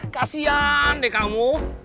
kasian deh kamu